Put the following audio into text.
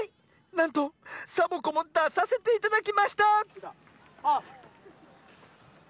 なんとサボ子もださせていただきました！